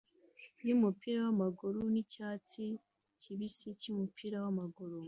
yumupira wamaguru nicyatsi kibisi cyumupira wamaguru.